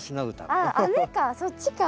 あ雨かそっちか。